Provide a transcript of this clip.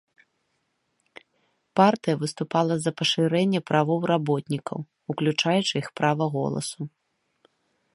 Партыя выступала за пашырэнне правоў работнікаў, уключаючы іх права голасу.